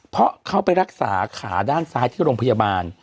เพราะเขาไปรักษาขาด้านซ้ายที่โรงพยาบาล